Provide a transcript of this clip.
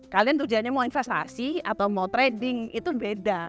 kalian tujuannya mau investasi atau mau trading itu beda